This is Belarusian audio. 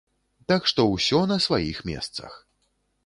Так што ўсё на сваіх месцах.